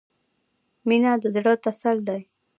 • مینه د زړۀ تسل دی.